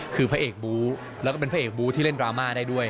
คือพระเอกบูแล้วก็เป็นพระเอกบู้ที่เล่นดราม่าได้ด้วย